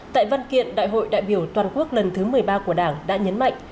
tại văn kiện đại hội đại biểu toàn quốc lần thứ một mươi ba của đảng đã nhấn mạnh